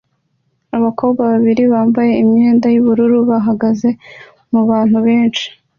Abakobwa babiri bambaye imyenda yubururu bahagaze mubantu benshi